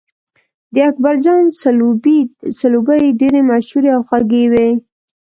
د اکبرجان ځلوبۍ ډېرې مشهورې او خوږې وې.